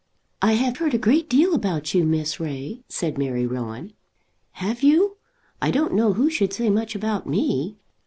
"I have heard a great deal about you, Miss Ray," said Mary Rowan. "Have you? I don't know who should say much about me."